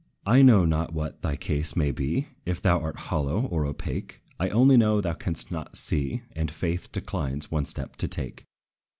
I know not what thy case may be, If thou art hollow, or opaque; I only know thou canst not see, And faith declines one step to take.